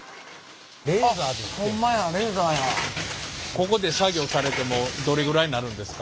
ここで作業されてもうどれぐらいになるんですか？